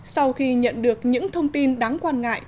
sau khi nhận được những thông tin đáng quan ngại